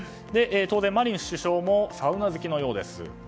当然、マリン首相もサウナ好きなようです。